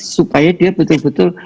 supaya dia betul betul